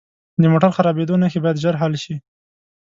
د موټر خرابیدو نښې باید ژر حل شي.